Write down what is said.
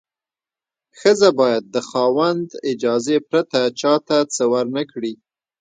ښځه باید د خاوند اجازې پرته چا ته څه ورنکړي.